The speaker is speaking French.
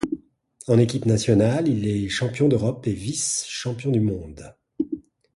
En équipe nationale, il est champion d'Europe et vice-champion du monde.